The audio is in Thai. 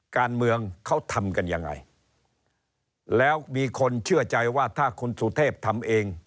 การเมืองเขาทำกันยังไงแล้วมีคนเชื่อใจว่าถ้าคุณสุเทพทำเอง